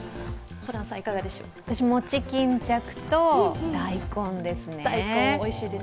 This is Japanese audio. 私、もち巾着と大根ですね。